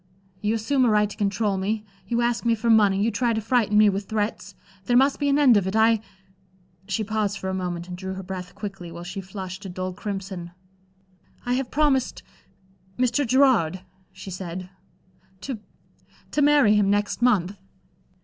You assume a right to control me, you ask me for money, you try to frighten me with threats. There must be an end of it. I" she paused for a moment, and drew her breath quickly, while she flushed a dull crimson. "I have promised Mr. Gerard," she said "to to marry him next month."